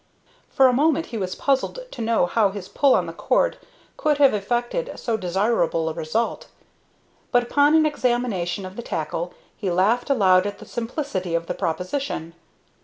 For a moment he was puzzled to know how his pull on the cord could have effected so desirable a result, but, upon an examination of the tackle, he laughed aloud at the simplicity of the proposition.